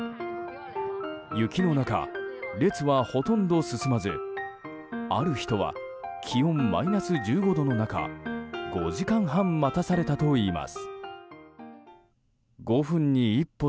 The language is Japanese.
雪の中、列はほとんど進まずある人は気温マイナス１５度の中５時間半待たされたといいます。